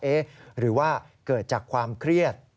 หรือว่าเกิดจากความเครียด